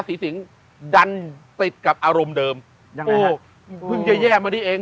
สีสิงห์ดันติดกับอารมณ์เดิมยังไงฮะโอ้พึ่งแย่แย่มานี่เอง